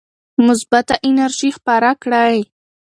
مثبته انرژي خپره کړئ.